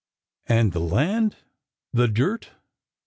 And the land? The dirt?